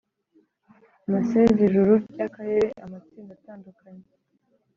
Massez ijuru ry akarere Amatsinda atandukanye